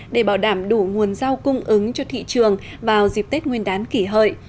để bảo đảm đủ nguồn rau cung ứng cho thị trường vào dịp tết nguyên đán kỷ hợi